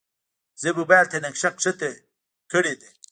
زه موبایل ته نقشه ښکته کړې ده.